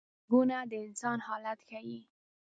غږونه د انسان حالت ښيي